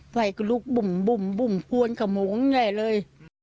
ไฟก็ลุกบุ่มบุ่มบุ่มพวนกระโมงไงเลย